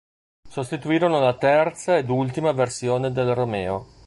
Sostituirono la terza ed ultima versione del Romeo.